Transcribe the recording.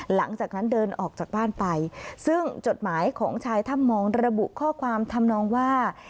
หลังจากนั้นเดินออกจากบ้านไปซึ่งจดหมายของชายถ้ำมองระบุข้อความทำนองว่า